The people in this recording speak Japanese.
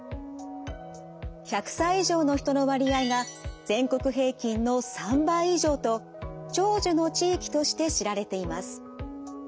１００歳以上の人の割合が全国平均の３倍以上と長寿の地域として知られています。